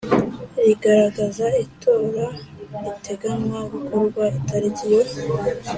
rigaragaza itora riteganywa gukorwa itariki yo